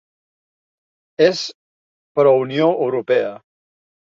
És pro-Unió Europea.